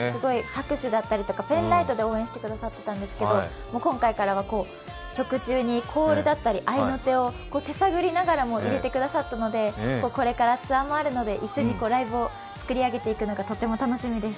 拍手だったりとかペンライトで応援してくださってたんですけど今回からは曲中にコールだったり合いの手を手さぐりながらも入れてくださったのでこれからツアーもあるので一緒にライブを作り上げていくのがすごく楽しみです。